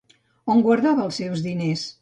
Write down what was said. On guardava els seus diners?